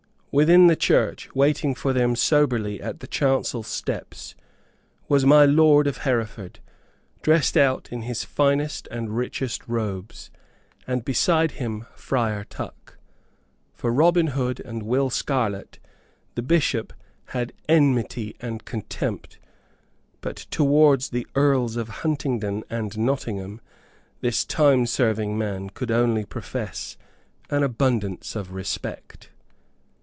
Within the church, waiting for them soberly at the chancel steps, was my lord of Hereford, dressed out in his finest and richest robes, and beside him Friar Tuck. For Robin Hood and Will Scarlett the Bishop had enmity and contempt, but towards the Earls of Huntingdon and Nottingham this time serving man could only profess an abundance of respect.